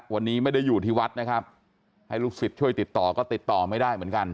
วันนี้ไม่ได้อยู่ที่วัดนะครับให้ลูกศิษย์ช่วยติดต่อก็ติดต่อไม่ได้เหมือนกัน